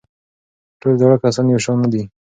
ټول زاړه کسان یو شان نه دي.